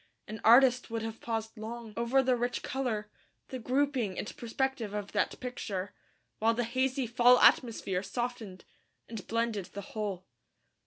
An artist would have paused long, over the rich colour, the grouping and perspective of that picture, while the hazy fall atmosphere softened and blended the whole.